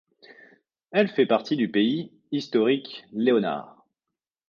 Elle fait partie du pays historique léonard.